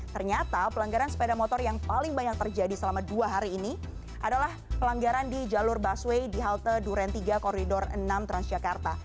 ternyata pelanggaran sepeda motor yang paling banyak terjadi selama dua hari ini adalah pelanggaran di jalur busway di halte duren tiga koridor enam transjakarta